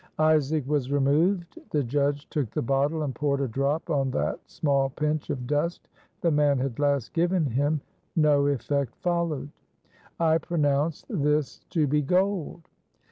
Isaac was removed. The judge took the bottle and poured a drop on that small pinch of dust the man had last given him. No effect followed. "I pronounce this to be gold."